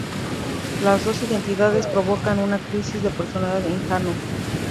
Las dos identidades provocan una crisis de personalidad en Jano.